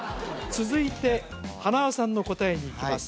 続いて塙さんの答えにいきます